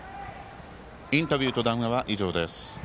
インタビューと談話は以上です。